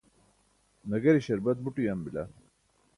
nagare śarbat but uyam bila